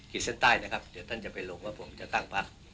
เส้นใต้นะครับเดี๋ยวท่านจะไปลงว่าผมจะตั้งพัก